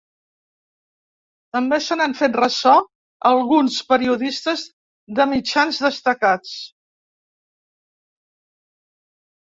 També se n’han fet ressò alguns periodistes de mitjans destacats.